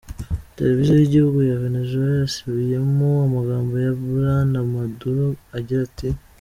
Televiziyo y'igihugu ya Venezuela yasubiyemo amagambo ya Bwana Maduro agira ati:.